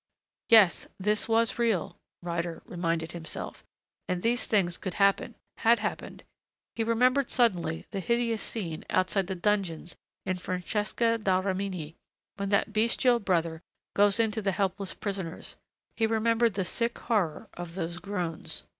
Yes, this was real, Ryder reminded himself. And these things could happen had happened. He remembered suddenly the hideous scene, outside the dungeons, in "Francesca da Rimini," when that bestial brother goes in to the helpless prisoners. He remembered the sick horror of those groans....